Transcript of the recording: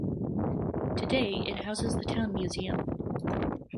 Today it houses the Town Museum.